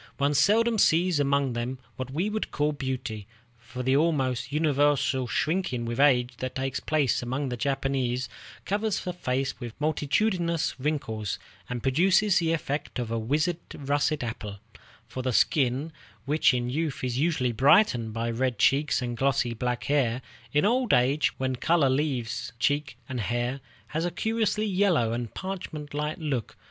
One seldom sees among them what we would call beauty, for the almost universal shrinking with age that takes place among the Japanese covers the face with multitudinous wrinkles, and produces the effect of a withered russet apple; for the skin, which in youth is usually brightened by red cheeks and glossy black hair, in old age, when color leaves cheek and hair, has a curiously yellow and parchment like look.